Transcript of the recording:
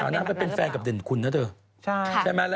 แต่น้องสาวน้ำก็เป็นแฟนกับเด่นคุณนะเติ้ลใช่มั้ยละใช่มั้ยละ